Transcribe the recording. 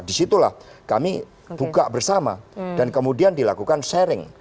di situlah kami buka bersama dan kemudian dilakukan sharing